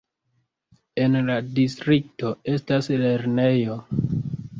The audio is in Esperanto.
En la distrikto estas lernejo.